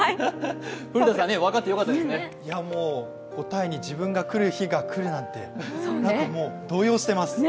答えに自分がくる日が来るなんてなんかもう動揺してます。